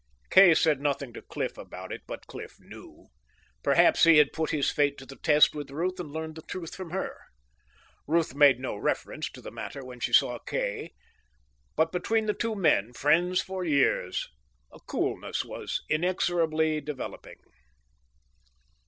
Kay said nothing to Cliff about it, but Cliff knew. Perhaps he had put his fate to the test with Ruth and learned the truth from her. Ruth made no reference to the matter when she saw Kay. But between the two men, friends for years, a coolness was inexorably developing.